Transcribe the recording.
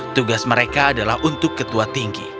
tugas mereka adalah untuk ketua tinggi